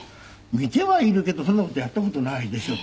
見てはいるけどそんな事やった事ないでしょ？